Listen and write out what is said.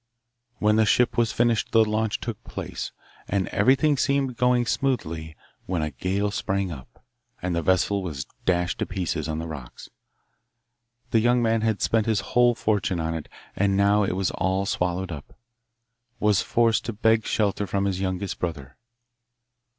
When the ship was finished the launch took place, and everything seemed going smoothly when a gale sprang up, and the vessel was dashed to pieces on the rocks. The young man had spent his whole fortune on it, and now it was all swallowed up, was forced to beg shelter from his youngest brother.